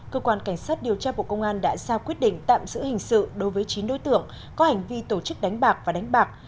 cơ quan cảnh sát điều tra bộ công an đã ra quyết định tạm giữ hình sự đối với chín đối tượng có hành vi tổ chức đánh bạc và đánh bạc